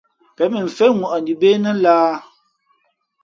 Pěn mʉnfén ŋwαʼni bê nά lāhā ?